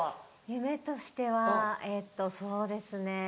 夢としてはえっとそうですね